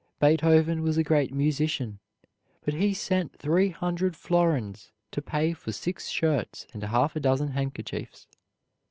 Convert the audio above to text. Beethoven was a great musician, but he sent three hundred florins to pay for six shirts and half a dozen handkerchiefs.